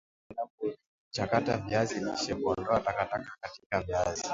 mkulima anapochakata viazi lishe Kuondoa takataka katika viazi